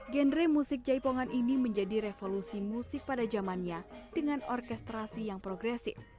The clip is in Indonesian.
genre musik jaipongan ini menjadi revolusi musik pada zamannya dengan orkestrasi yang progresif